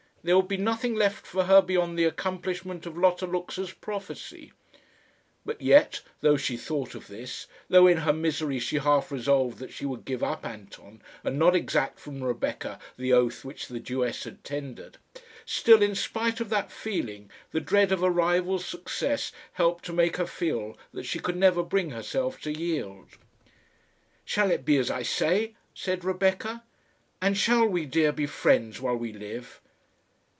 There would be nothing left for her beyond the accomplishment of Lotta Luxa's prophecy. But yet, though she thought of this, though in her misery she half resolved that she would give up Anton, and not exact from Rebecca the oath which the Jewess had tendered, still, in spite of that feeling, the dread of a rival's success helped to make her feel that she could never bring herself to yield. "Shall it be as I say?" said Rebecca; "and shall we, dear, be friends while we live?"